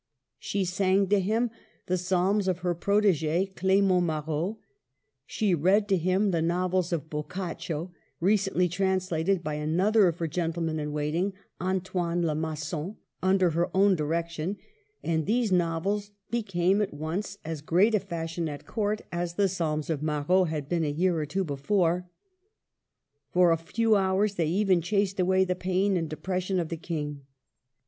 She sang to him the psalms of her protege, Clement Marot ; she read to him the novels of Boccaccio, recently translated by another of her gentlemen in waiting, Antoine Le Magon, under her own direction, and these novels became at once as great a fashion at Court as the psalms of Marot had been a year or two before. For a few hours they even chased away the pain and depression of the King.